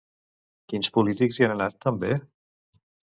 Quins polítics hi han anat també?